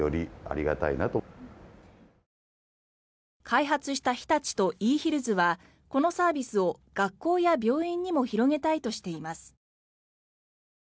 開発した日立とイーヒルズはこのサービスを学校や病院にも広げたいとしています。